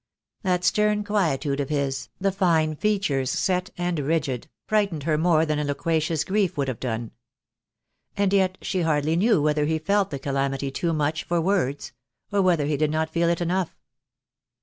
That stern quietude of his, the fine features set and rigid, frightened her more than a loquacious grief would have done. And yet she hardly knew whether he felt the calamity too much for words; or whether he did not feel it enough.